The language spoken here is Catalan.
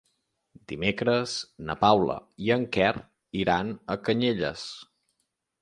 Dimecres na Paula i en Quer iran a Canyelles.